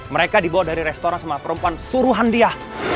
mereka dibawa dari restoran sama perempuan suruhan dia